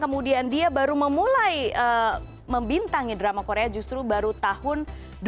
kemudian dia baru memulai membintangi drama korea justru baru tahun dua ribu dua